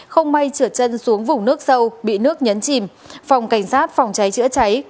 không may trượt chân xuống vùng nước sâu bị nước nhấn chìm phòng cảnh sát phòng cháy chữa cháy